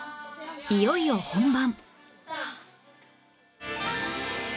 いよいよ本番